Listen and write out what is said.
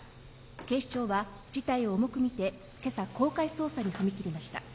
警視庁は事態を重く見てけさ公開捜査に踏み切りました。